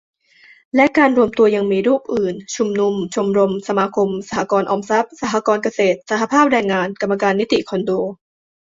และการรวมตัวยังมีรูปอื่น ชุมนุม ชมรม สมาคม สหกรณ์ออมทรัพย์ สหกรณ์เกษตร สหภาพแรงงาน กรรมการนิติคอนโด